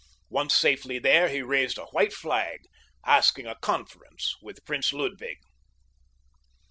Once safely there he raised a white flag, asking a conference with Prince Ludwig.